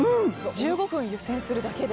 １５分湯煎するだけで。